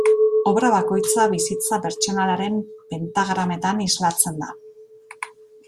Obra bakoitza bizitza pertsonalaren pentagrametan islatzen da.